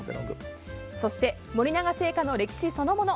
そして森永製菓の歴史そのもの